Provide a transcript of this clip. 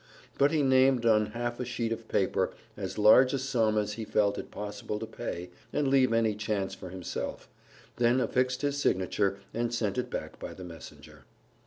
But he named on half a sheet of paper as large a sum as he felt it possible to pay and leave any chance for himself, then affixed his signature and sent it back by the messenger.